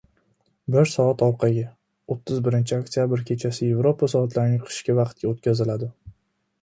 Bir soat orqaga. o'ttiz birinchi oktyabr kechasi Yevropa soatlari qishki vaqtga o‘tkaziladi